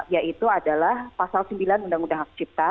yaitu adalah pasal sembilan undang undang hak cipta